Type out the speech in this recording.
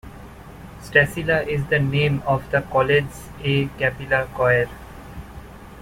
Stacella is the name of the college's a cappella choir.